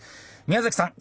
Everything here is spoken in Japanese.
宮崎さん